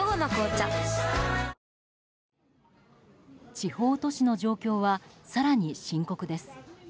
地方都市の状況は更に深刻です。